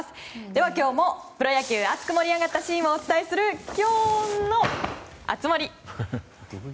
では今日もプロ野球熱く盛り上がったシーンをお伝えする今日の熱盛。